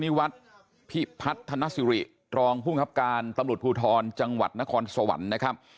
นิวัฒน์พิพัฒนสิริรองภูมิครับการตำรวจภูทรจังหวัดนครสวรรค์นะครับ